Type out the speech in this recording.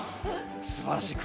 すばらしい。